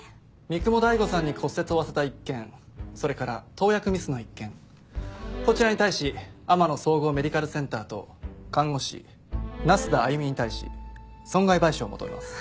三雲大悟さんに骨折を負わせた一件それから投薬ミスの一件こちらに対し天乃総合メディカルセンターと看護師那須田歩に対し損害賠償を求めます。